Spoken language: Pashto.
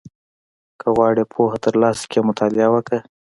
• که غواړې پوهه ترلاسه کړې، مطالعه وکړه.